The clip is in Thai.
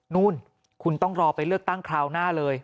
นู่นคุณต้องรอไปเลือกตั้งคราวหน้าเลย